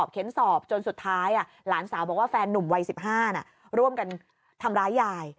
เข็นสอบจนสุดท้ายหลานสาวบอกว่าแฟนนุ่มวัย๑๕ร่วมกันทำร้ายยาย